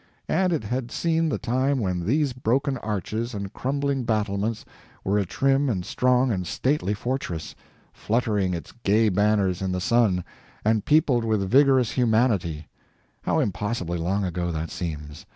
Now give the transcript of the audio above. and it had seen the time when these broken arches and crumbling battlements were a trim and strong and stately fortress, fluttering its gay banners in the sun, and peopled with vigorous humanity how impossibly long ago that seems!